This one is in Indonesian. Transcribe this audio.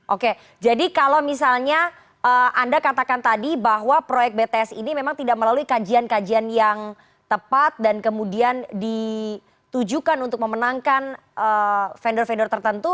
oke jadi kalau misalnya anda katakan tadi bahwa proyek bts ini memang tidak melalui kajian kajian yang tepat dan kemudian ditujukan untuk memenangkan vendor vendor tertentu